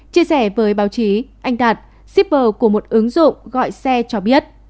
chia sẻ với báo chí anh đạt shipper của một ứng dụng gọi xe cho biết